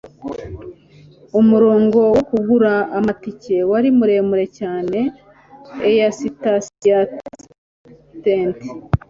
umurongo wo kugura amatike wari muremure cyane eastasiastudent